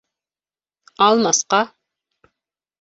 Алмасҡа!